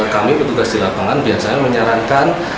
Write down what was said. kami petugas di lapangan biasanya menyarankan